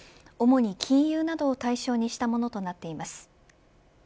主に金融などを対象にしたものとなっています。